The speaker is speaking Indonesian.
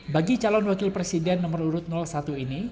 bagi calon wakil presiden nomor urut satu ini